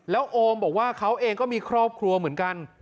แล้วโอมบอกว่าเขาเองก็มีครอบครัวเหมือนกัน